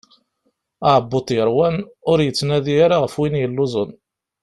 Aɛebbuḍ yeṛwan ur yettnadi ara ɣef win yelluẓen.